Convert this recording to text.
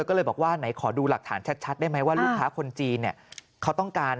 ก็เลยบอกว่าไหนขอดูหลักฐานชัดได้ไหมว่าลูกค้าคนจีนเขาต้องการ